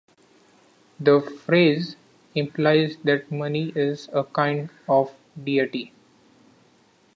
The phrase implies that money is a kind of deity.